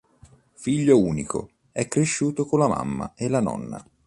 Figlio unico, è cresciuto con la mamma e la nonna.